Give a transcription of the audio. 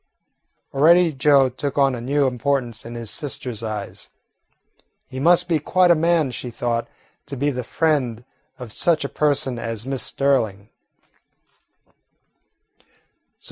Already Joe took on a new importance in his sister's eyes. He must be quite a man, she thought, to be the friend of such a person as Miss Sterling.